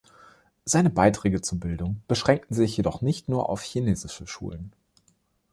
Seine Beiträge zur Bildung beschränkten sich jedoch nicht nur auf chinesische Schulen.